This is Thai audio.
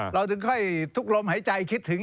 เราถึงค่อยทุกลมหายใจคิดถึง